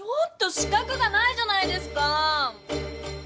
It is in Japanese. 四角がないじゃないですかぁ！